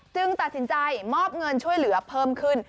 ตัดสินใจมอบเงินช่วยเหลือเพิ่มขึ้น